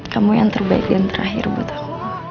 kamu yang terbaik dan terakhir buat aku